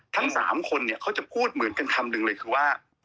ทั้ง๓คนจะพูดเหมือนกันทั้งคำ